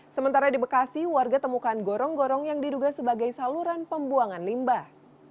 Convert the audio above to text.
sementara di bekasi warga temukan gorong gorong yang diduga sebagai saluran pembuangan limbah